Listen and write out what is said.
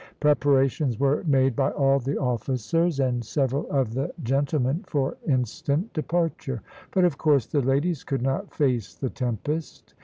Preparations were made by all the officers and several of the gentlemen for instant departure; but, of course, the ladies could not face the tempest.